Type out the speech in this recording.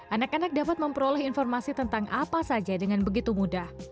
anak anak dapat memperoleh informasi tentang apa saja dengan begitu mudah